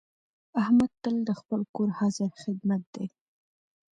احمد تل د خپل کور حاضر خدمت دی.